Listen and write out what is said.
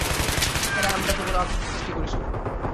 আরে আন্দাজে বলে আতঙ্ক সৃষ্টি করিস না।